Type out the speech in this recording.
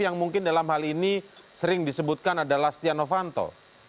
yang mungkin dalam hal ini sering disebutkan adalah stiano fanto